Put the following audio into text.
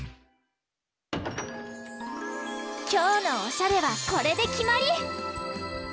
きょうのおしゃれはこれできまり！